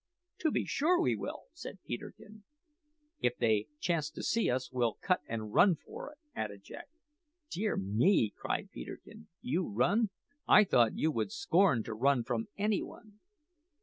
"To be sure we will," said Peterkin. "If they chance to see us, we'll cut and run for it," added Jack. "Dear me!" cried Peterkin; "you run! I thought you would scorn to run from any one."